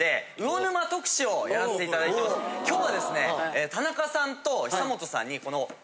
今日はですね田中さんと久本さんにこの。